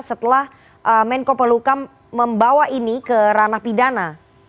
setelah menko peluka membawa ini ke ranah pidana